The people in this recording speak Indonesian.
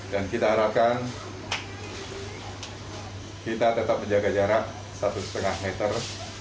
dan kita harapkan kita tetap menjaga jarak satu lima meter